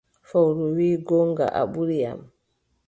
Fowru wii, goongo, a ɓuri am.